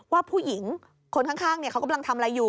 ว่าผู้หญิงคนข้างเขากำลังทำอะไรอยู่